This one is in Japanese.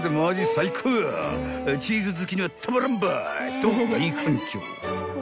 ［と大反響］